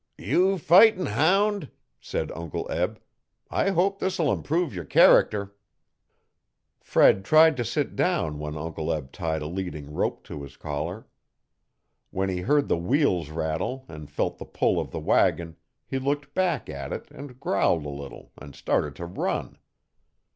'You fightin' hound!' said Uncle Eb, 'I hope this'll improve yer character.' Fred tried to sit down when Uncle Eb tied a leading rope to his collar. When he heard the wheels rattle and felt the pull of the wagon he looked back at it and growled a little and started to run.